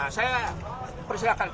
saya persilahkan pak